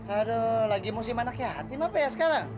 aduh lagi musim anak yatim apa ya sekarang